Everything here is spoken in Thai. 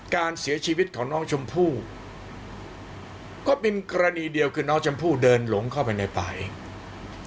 การเสียชีวิตของน้องชมพู่ก็เป็นกรณีเดียวคือน้องชมพู่เดินหลงเข้าไปในป่าเอง